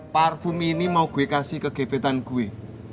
parfum ini mau gue kasih ke gebetan gue